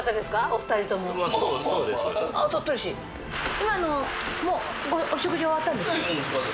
今もうお食事終わったんですか？